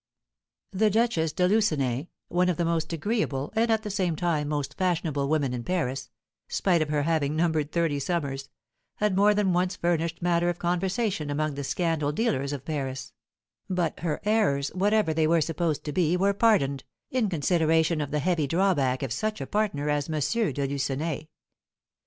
The Duchess de Lucenay, one of the most agreeable, and, at the same time, most fashionable women in Paris (spite of her having numbered thirty summers), had more than once furnished matter of conversation among the scandal dealers of Paris; but her errors, whatever they were supposed to be, were pardoned, in consideration of the heavy drawback of such a partner as M. de Lucenay.